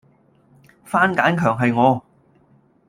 番梘強係我